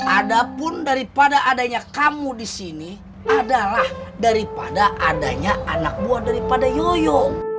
ada pun daripada adanya kamu di sini adalah daripada adanya anak buah daripada yoyo